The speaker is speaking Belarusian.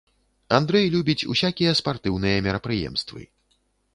Андрэй любіць усякія спартыўныя мерапрыемствы.